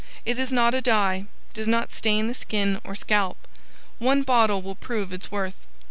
It is not a dye, does not stain the skin or scalp. One bottle will prove its worth.